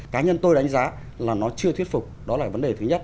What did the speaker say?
cá nhân tôi đánh giá là nó chưa thuyết phục đó là vấn đề thứ nhất